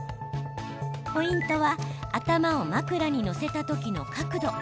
ポイントは頭を枕に乗せた時の角度。